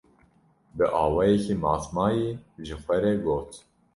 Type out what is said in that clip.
Bi awayekî matmayî ji xwe re got: